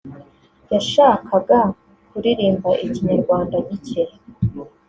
yashakaga kuririmba Ikinyarwanda gike